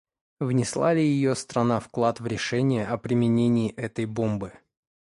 Внесла ли ее страна вклад в решение о применении этой бомбы?